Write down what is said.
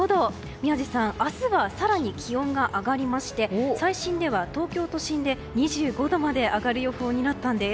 宮司さん明日は更に気温が上がりまして最新では東京都心で２５度まで上がる予報になったんです。